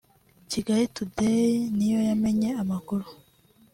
Kigali Today ni yo yamenye aya makuru